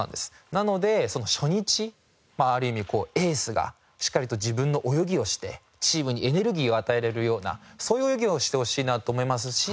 なので初日ある意味エースがしっかりと自分の泳ぎをしてチームにエネルギーを与えられるようなそういう泳ぎをしてほしいなと思いますし。